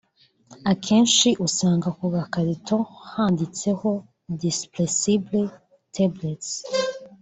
akenshi usanga ku gakarito haba handitseho “dispersible tablets”